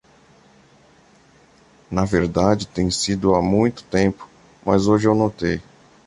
Na verdade, tem sido há muito tempo, mas hoje eu notei.